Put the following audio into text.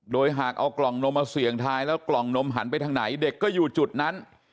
โดยหากเอากล่องนมมาเสี่ยงทายแล้วกล่องนมหันไปทางไหนเด็กก็อยู่จุดนั้น